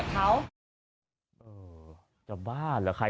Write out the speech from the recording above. เขาก็บอกว่าอ๋อขอตั้งหน่อยครับ